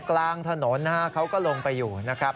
กลางถนนนะฮะเขาก็ลงไปอยู่นะครับ